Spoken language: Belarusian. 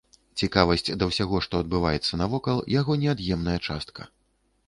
Цікавасць да ўсяго, што адбываецца навокал, яго неад'емная частка.